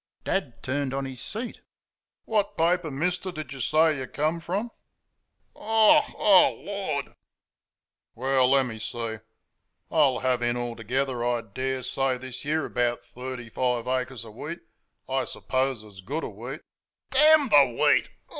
Dad turned on his seat. "What paper, mister, do you say you come from?" "OH H!...Oh h, Lord!" "Well, let me see; I'll have in altogether, I daresay, this year, about thirty five acres of wheat I suppose as good a wheat " "Damn the wheat!...